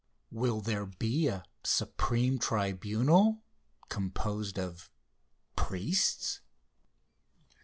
Will there be a supreme tribunal composed of priests?